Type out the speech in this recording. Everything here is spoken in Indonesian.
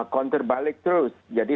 counterbalik terus jadi